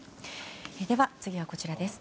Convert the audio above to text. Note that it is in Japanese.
では、次はこちらです。